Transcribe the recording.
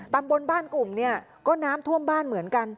ตำบลบ้านกลุ่มเนี่ยก็น้ำท่วมบ้านเหมือนกัน